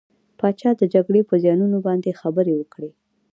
پاچا د جګرې په زيانونو باندې خبرې وکړې .